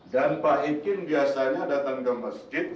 dan pak ikin biasanya datang ke masjid